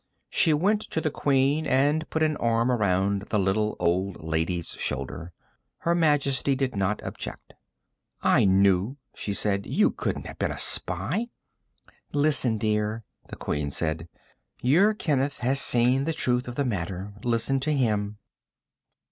She went to the Queen and put an arm around the little old lady's shoulder. Her Majesty did not object. "I knew," she said. "You couldn't have been a spy." "Listen, dear," the Queen said. "Your Kenneth has seen the truth of the matter. Listen to him."